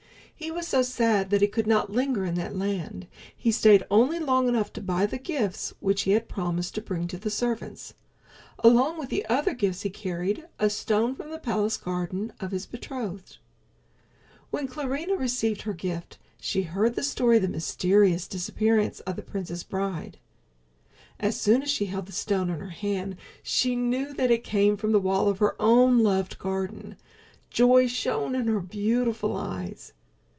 He was so sad that he could not linger in that land. He stayed only long enough to buy the gifts which he had promised to bring to the servants. Along with the other gifts he carried a stone from the palace garden of his betrothed. When Clarinha received her gift she heard the story of the mysterious disappearance of the prince's bride. As soon as she held the stone in her hand she knew that it came from the wall of her own loved garden. Joy shone in her beautiful eyes.